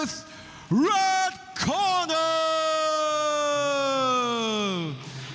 กรงฝาพักจิ้นดา